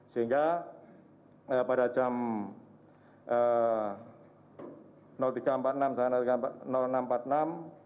sehingga pada jam tiga empat puluh enam empat puluh enam